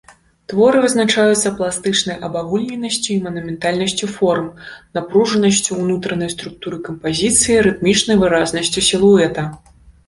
Творы вызначаюцца пластычнай абагульненасцю і манументальнасцю форм, напружанасцю ўнутранай структуры кампазіцыі, рытмічнай выразнасцю сілуэта.